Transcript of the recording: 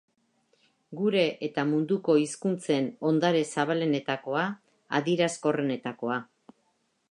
Gure eta munduko hizkuntzen hondare zabalenetakoa, adierazkorrenetakoa.